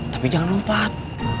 tapi jangan lompat